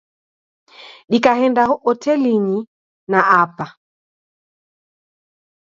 Dikaghenda hotelinyi na apa.